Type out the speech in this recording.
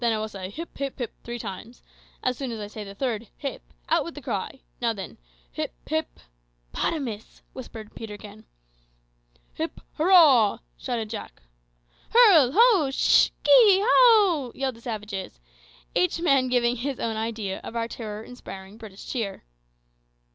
I will say `Hip, hip, hip!' three times; as soon as I say the third `hip,' out with the cry. Now then. Hip, hip " "'Popotamus," whispered Peterkin. "Hip, hurrah!" shouted Jack. "Hurl! ho! sh! kee! how!" yelled the savages, each man giving his own idea of our terror inspiring British cheer.